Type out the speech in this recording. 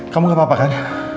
kamu gak apa apa kan